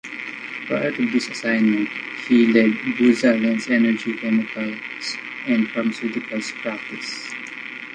Prior to this assignment, he led Booz-Allen's energy, chemicals and pharmaceuticals practice.